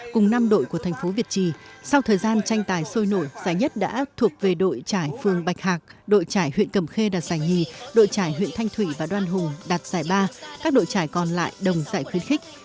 cùng năm đội của thành phố việt trì sau thời gian tranh tài sôi nổi giải nhất đã thuộc về đội trải phương bạch hạc đội trải huyện cầm khê đạt giải nhì đội trải huyện thanh thủy và đoàn hùng đạt giải ba các đội trải còn lại đồng giải khuyến khích